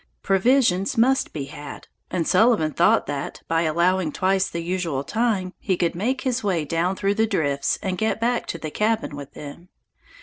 Provisions must be had, and Sullivan thought that, by allowing twice the usual time, he could make his way down through the drifts and get back to the cabin with them.